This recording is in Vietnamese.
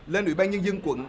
lên ủy ban nhân dân quận